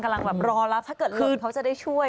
กำลังรอรับถ้าเกิดหลงเขาจะได้ช่วย